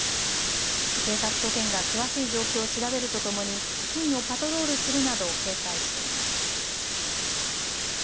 警察と県が詳しい状況を調べるとともに付近をパトロールするなど警戒しています。